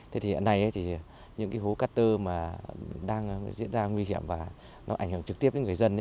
thế thì hiện nay những hố cắt tơ đang diễn ra nguy hiểm và nó ảnh hưởng trực tiếp đến người dân